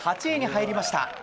８位に入りました。